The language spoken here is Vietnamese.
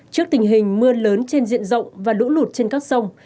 trước tình hình mưa lớn trên diện rộng và lũ lụt trên các sông